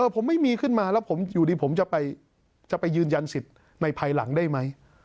ผมไม่มีขึ้นมาแล้วผมอยู่ดีผมจะไปยืนยันสิทธิ์ในภายหลังได้ไหม